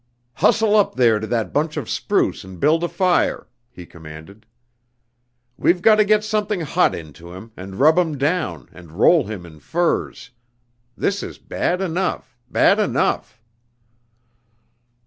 "Hustle up there to that bunch of spruce and build a fire," he commanded. "We've got to get something hot into him, and rub him down, and roll him in furs. This is bad enough, bad enough!"